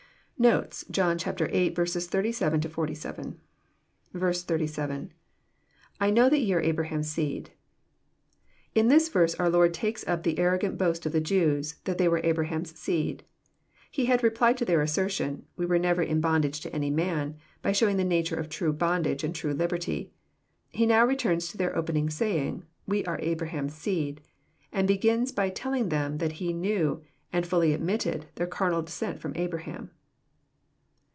Notes. John VIII. 87—47. 87. — II know that ye are AhrahanCs seed."] In this verse our Lord takes up the arrogant boast of the Jews, that they were Abra^ ham*8 seed. He had replied to their assertion, " We were never in bondage to* any man," by showing the nature of true bondage and true liberty. He now returns to their opening saying, " We be Abraham's seed," and hegins by telling them that He knew, and fuily admitted, their carnal descent from Abraham.